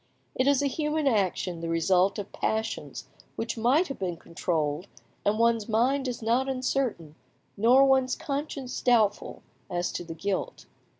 It is a human action, the result of passions which might have been controlled, and one's mind is not uncertain, nor one's conscience doubtful, as to the guilt.